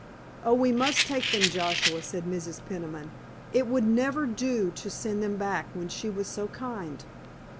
"Oh, we must take them, Joshua," said Mrs. Peniman. "It would never do to send them back when she was so kind.